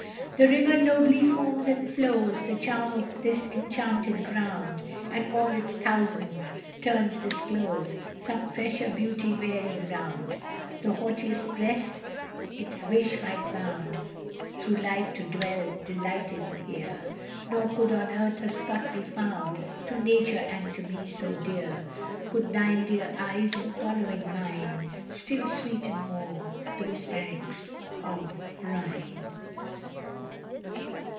The river nobly foams and flows, The charm of this enchanted ground, And all its thousand turns disclose Some fresher beauty varying round; The haughtiest breast its wish might bound Through life to dwell delighted here; Nor could on earth a spot be found To nature and to me so dear, Could thy dear eyes in following mine Still sweeten more these banks of Rhine!